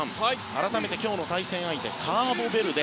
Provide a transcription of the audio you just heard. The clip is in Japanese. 改めて今日の対戦相手カーボベルデ。